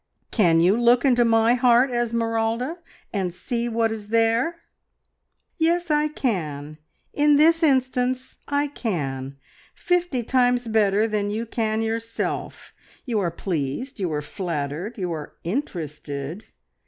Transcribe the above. "Can you look into my heart, Esmeralda, and see what is there?" "Yes, I can. In this instance I can. Fifty times better than you can yourself. You are pleased, you are flattered, you are interested.